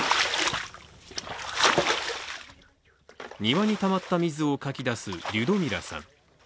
庭にたまった水をかきだすリュドミラさん。